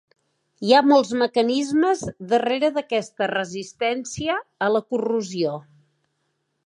Hi ha molts mecanismes darrere d'aquesta resistència a la corrosió.